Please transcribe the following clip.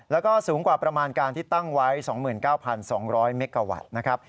แล้วก็สูงกว่าประมาณการที่ตั้งไว้๒๙๒๐๐เมกาวัตต์นะครับ